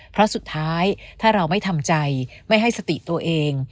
เพราะสุดท้ายถ้าเราไม่ทำใจไม่ให้สติตัวเอง